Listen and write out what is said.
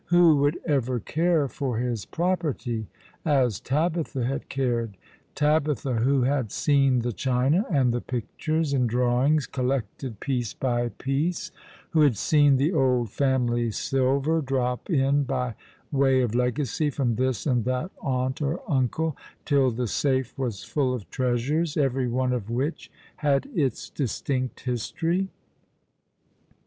Who would ever care for his property as Tabitha had cared— Tabitha who had Been the china and the pictures and drawings collected piece 96 All along the River, by piece, who had seen the old family silver drop in by way of legacy from this and that aunt or uncle, till the safe was full of treasures, every one of which had its distinct history?